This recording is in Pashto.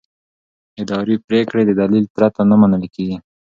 اداري پریکړې د دلیل پرته نه منل کېږي.